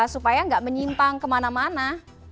supaya nggak menyimpang kemana mana